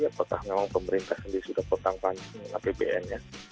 apakah memang pemerintah sendiri sudah potong potong apbn nya